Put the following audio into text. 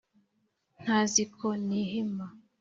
ntazi ko nihima